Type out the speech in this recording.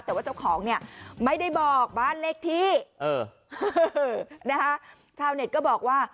แต่ว่าเจ้าของเนี่ยไม่ได้บอกบ้านเลขที่เออนะคะชาวเน็ตก็บอกว่า